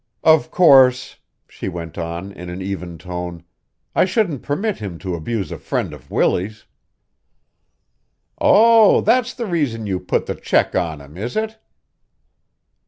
"Of course," she went on in an even tone, "I shouldn't permit him to abuse a friend of Willie's." "Oh, that's the reason you put the check on him, is it?"